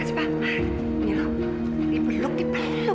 alhamdulillah terima kasih pak